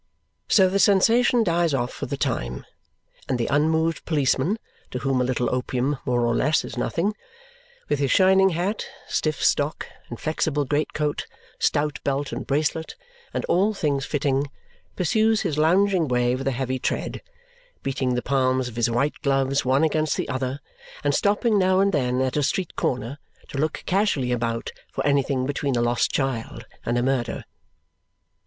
So the sensation dies off for the time; and the unmoved policeman (to whom a little opium, more or less, is nothing), with his shining hat, stiff stock, inflexible great coat, stout belt and bracelet, and all things fitting, pursues his lounging way with a heavy tread, beating the palms of his white gloves one against the other and stopping now and then at a street corner to look casually about for anything between a lost child and a murder.